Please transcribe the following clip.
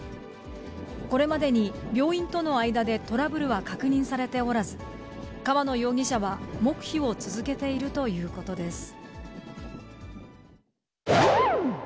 これまでに、病院との間でトラブルは確認されておらず、川野容疑者は黙秘を続けているということです。